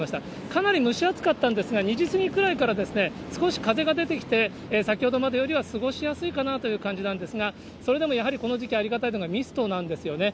かなり蒸し暑かったんですが、２時過ぎくらいから少し風が出てきて、先ほどまでよりは過ごしやすいかなという感じなんですが、それでもやはりこの時期ありがたいのがミストなんですよね。